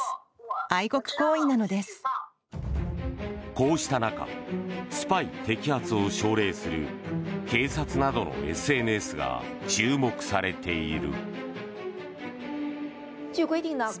こうした中スパイ摘発を奨励する警察などのＳＮＳが注目されている。